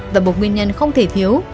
và một nguyên nhân không thể thiếu